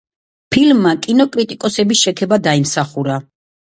ფილმმა კინოკრიტიკოსების შექება დაიმსახურა.